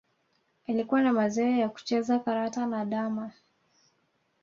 Alikuwa na mazoea ya kucheza karata na damma